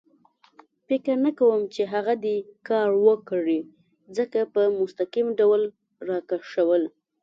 فکر نه کوم چې هغه دې کار وکړي، ځکه په مستقیم ډول را کشول.